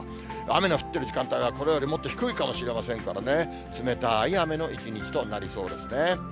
雨の降ってる時間帯は、これよりもっと低いかもしれませんからね、冷たい雨の一日となりそうですね。